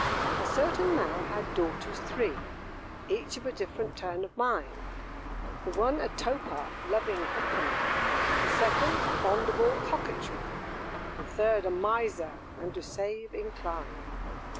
A certain man had daughters three, Each of a different turn of mind: The one a toper, loving company; The second, fond of all coquetry; The third a miser, and to save inclined.